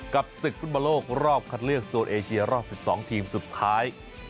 กับศึกธุรกษ์ธุรกษ์รอบคัดเลือกโซนเอเชียรอบ๑๒ทีมสุดท้าย